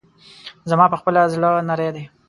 زما پخپله زړه نری دی.